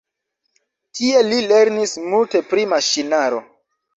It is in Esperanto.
Tie li lernis multe pri maŝinaro.